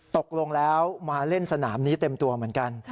ตกลงแล้วมาเล่นสนามนี้เต็มตัวเหมือนกัน